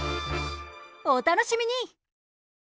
お楽しみに。